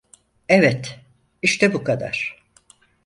Evet, işte bu kadar.